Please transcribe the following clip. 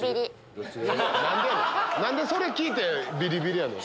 何でそれ聞いてビリビリやねん！